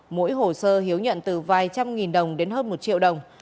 mỗi hồ sơ hiếu nhận từ vài trăm nghìn đồng đến hơn một triệu đồng